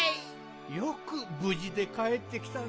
よくぶじでかえってきたね。